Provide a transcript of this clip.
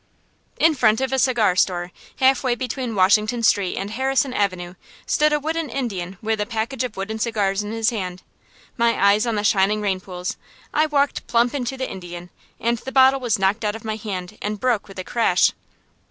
In front of a cigar store, halfway between Washington Street and Harrison Avenue, stood a wooden Indian with a package of wooden cigars in his hand. My eyes on the shining rain pools, I walked plump into the Indian, and the bottle was knocked out of my hand and broke with a crash.